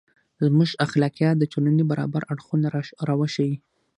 • زموږ اخلاقیات د ټولنې برابر اړخونه راوښيي.